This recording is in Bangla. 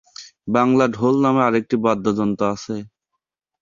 বাংলা ঢোল নামে আরেকটি বাদ্যযন্ত্র আছে।